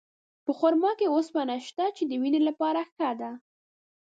په خرما کې اوسپنه شته، چې د وینې لپاره ښه ده.